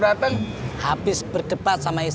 cut jangan berbicipitas